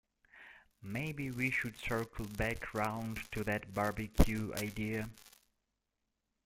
Maybe we should circle back round to that barbecue idea?